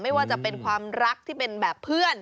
ไม่ว่าจะเป็นความรักที่เป็นแบบเพื่อน